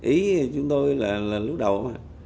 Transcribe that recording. ý chúng tôi là lúc đầu mà